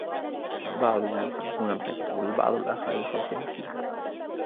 البعض يحبون القطط ، والبعض الآخر يفضل الكلاب.